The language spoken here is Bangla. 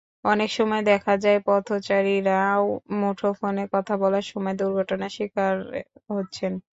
অনেক সময় দেখা যায়, পথচারীরাও মুঠোফোনে কথা বলার সময় দুর্ঘটনার শিকার হচ্ছেন।